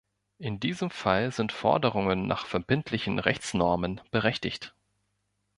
In diesem Fall sind Forderungen nach verbindlichen Rechtsnormen berechtigt.